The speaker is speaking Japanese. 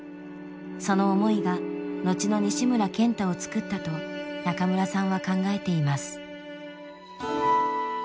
その思いが後の西村賢太をつくったと中村さんは考えています。